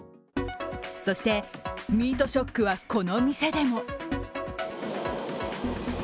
そして、ミートショックはこの店でも。